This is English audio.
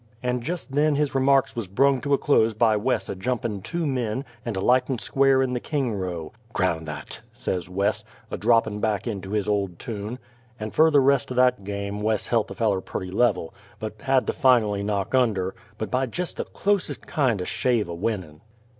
And jest then his remarks wuz brung to a close by Wes a jumpin' two men, and a lightin' square in the king row.... "Crown that," says Wes, a droppin' back into his old tune. And fer the rest o' that game Wes helt the feller purty level, but had to finally knock under but by jest the clos'test kind o' shave o' winnin'.